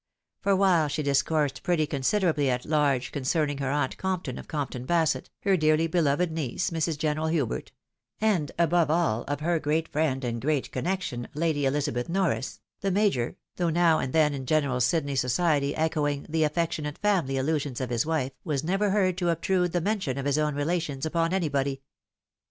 For while she dis coiirsed pretty considerably at large concerning her aunt Compton, of Comptou Basset, her dearly beloved niece, Mrs. General Hubert, and above all, of her great friend, and great connection, Lady Elizabeth Norris, the Major, though now and then in general Sydney society echoing the affectionate family aUusions of his wife, was never heard to obtrude the mention of his own relations upon anybody.